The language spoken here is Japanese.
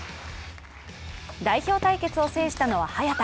代表対決を制したのは早田。